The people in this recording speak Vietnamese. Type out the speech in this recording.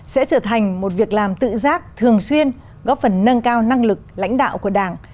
sẽ trở thành một việc làm tự giác thường xuyên góp phần nâng cao năng lực lãnh đạo của đảng